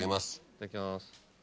いただきます。